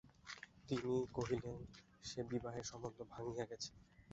তিনি কহিলেন, সে বিবাহের সম্বন্ধ ভাঙিয়া গেছে।